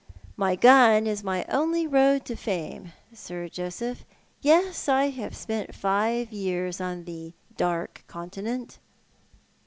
" My gun is my only road to fame. Sir Joseph. Yes, I have spent five years on the Dark Continent."